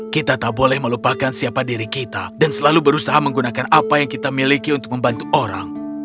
kita tak boleh melupakan siapa diri kita dan selalu berusaha menggunakan apa yang kita miliki untuk membantu orang